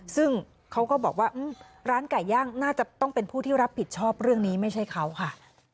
ซึ่งเขาก็บอกว่าร้านไก่ย่างน่าจะต้องเป็นผู้ที่รับผิดชอบเรื่องนี้ไม่ใช่เขาค่ะ